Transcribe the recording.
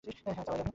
হ্যাঁ, চালাই আমি।